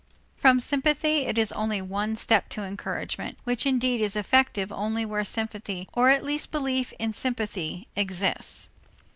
From sympathy it is only one step to encouragement, which indeed is effective only where sympathy or at least belief in sympathy exists.